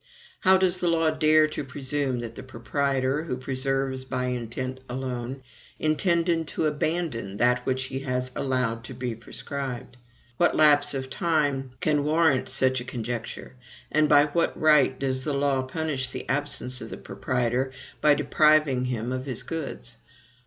How does the law dare to presume that the proprietor, who preserves by intent alone, intended to abandon that which he has allowed to be prescribed? What lapse of time can warrant such a conjecture; and by what right does the law punish the absence of the proprietor by depriving him of his goods?